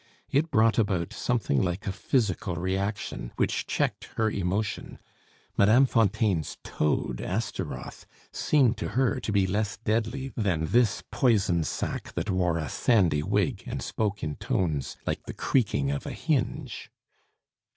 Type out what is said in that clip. It brought about something like a physical reaction, which checked her emotion; Mme. Fontaine's toad, Astaroth, seemed to her to be less deadly than this poison sac that wore a sandy wig and spoke in tones like the creaking of a hinge.